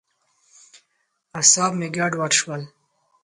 اعصاب مې ګډوډ شول.